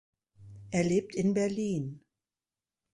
Er lebt in Berlin.